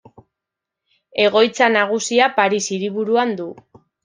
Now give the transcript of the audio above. Egoitza nagusia Paris hiriburuan du.